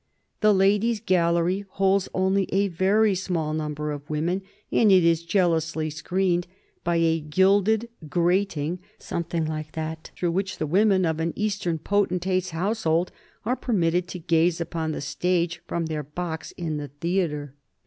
The Ladies' Gallery holds only a very small number of women, and it is jealously screened by a gilded grating something like that through which the women of an Eastern potentate's household are permitted to gaze upon the stage from their box in the theatre.